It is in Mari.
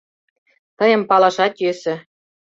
— Тыйым палашат йӧсӧ.